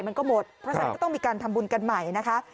มันก็หมดเพราะฉะนั้นก็ต้องมีการทำบุญกันใหม่นะคะ